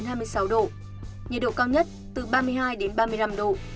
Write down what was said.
nhiệt độ cao nhất từ ba mươi hai đến ba mươi năm độ